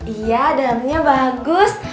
iya dalemnya bagus